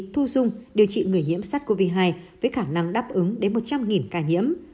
thu dung điều trị người nhiễm sars cov hai với khả năng đáp ứng đến một trăm linh ca nhiễm